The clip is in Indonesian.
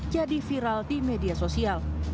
viral di media sosial